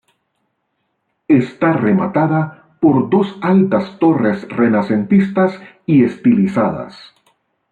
Está rematada por dos altas torres renacentistas y estilizadas.